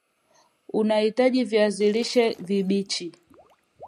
utahitajia Viazi lishe vibichi